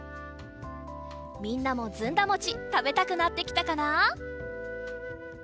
みんなもずんだもちたべたくなってきたかな？